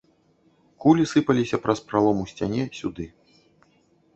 Кулі сыпаліся праз пралом у сцяне сюды.